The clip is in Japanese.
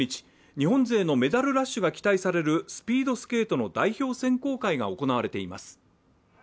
日本勢のメダルラッシュが期待されるスピードスケートの代表選考会が行われています。